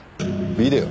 ビデオ？